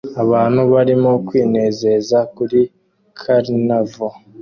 Abantu barimo kwinezeza kuri Carnival